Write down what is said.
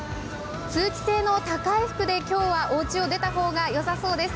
通気性の高い服で今日はおうちを出た方がよさそうです。